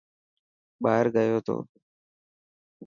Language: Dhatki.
ٻاهر گيو ٿو.